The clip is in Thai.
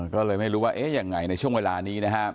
ก็เลยไม่รู้ว่าเอ๊ะยังไงในช่วงเวลานี้นะครับ